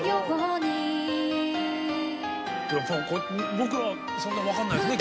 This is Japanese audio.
僕はそんな分かんないですね